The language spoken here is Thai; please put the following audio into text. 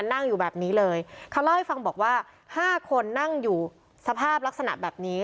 นั่งอยู่แบบนี้เลยเขาเล่าให้ฟังบอกว่าห้าคนนั่งอยู่สภาพลักษณะแบบนี้